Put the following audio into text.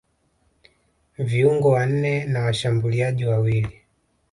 viungo wanne na washambuliaji wawili